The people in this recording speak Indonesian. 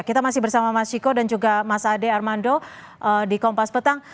kita masih bersama mas ciko dan juga mas ade armando di kompas petang